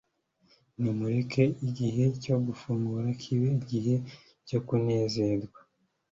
Nimureke igihe cyo gufungura kibe icyo kunezerwa